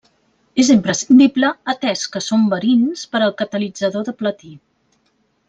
És imprescindible atès que són verins per al catalitzador de platí.